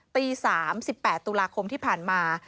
ตี๓๑๘ตุลาคมที่ผ่านมา